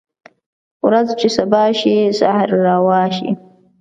ورځ چې سبا شي سحر روا شي